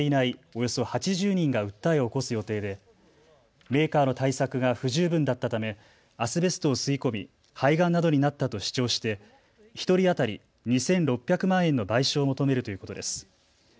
およそ８０人が訴えを起こす予定でメーカーの対策が不十分だったためアスベストを吸い込み肺がんなどになったと主張して１人当たり２６００万円の賠償を求めるということです。